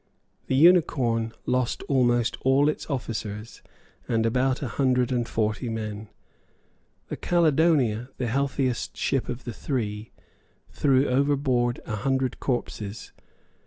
The Unicorn lost almost all its officers, and about a hundred and forty men. The Caledonia, the healthiest ship of the three, threw overboard a hundred corpses.